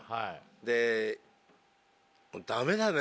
ダメだね